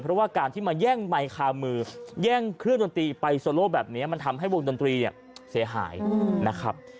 เพราะว่าการที่มาแย่งไมค์คามือแย่งเครื่องดนตรีไปโซโลแบบนี้มันทำให้วงดนตรีเสียหายนะครับ